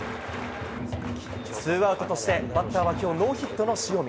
ツーアウトとして、バッターは今日ノーヒットの塩見。